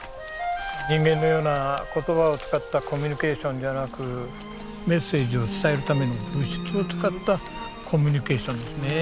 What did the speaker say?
人間のような言葉を使ったコミュニケーションではなくメッセージを伝えるための物質を使ったコミュニケーションですね。